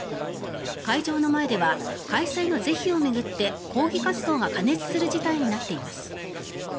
会場の前では開催の是非を巡って抗議活動が過熱する事態となっています。